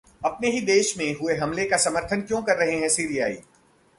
अपने ही देश में हुए हमले का समर्थन क्यों कर रहे हैं सीरियाई?